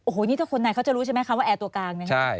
โหนี่ถ้าคนใหนเข้าจะรู้ใช่ไหมพูดแอตกลาง